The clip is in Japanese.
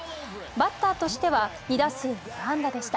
バッターとしては２打数無安打でした。